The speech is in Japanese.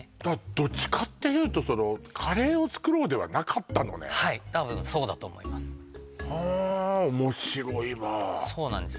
どっちかっていうとカレーを作ろうではなかったのねはい多分そうだと思いますはあ面白いわそうなんです